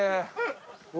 うわ！